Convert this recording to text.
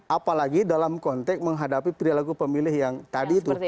apalagi dalam konteks menghadapi perilaku pemilih yang tadi itu